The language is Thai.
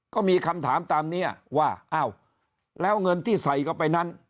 ก็มีคำถามตามนี้ว่าอ้าวแล้วเงินที่ใส่เข้าไปนั้น